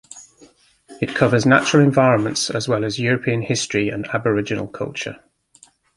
It covers natural environments as well as European history and Aboriginal culture.